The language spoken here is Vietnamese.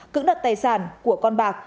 cưỡng đặt tài sản của con bạc